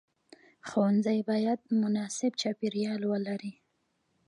ښوونځی باید مناسب چاپیریال ولري.